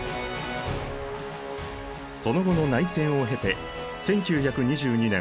その後の内戦を経て１９２２年